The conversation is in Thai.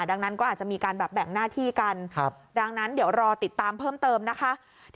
ดังนั้นก็อาจจะมีการแบบแบ่งหน้าที่กันดังนั้นเดี๋ยวรอติดตามเพิ่มเติมนะคะ